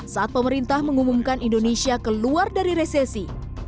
saat pemerintah mengumumkan indonesia keluar dari resesi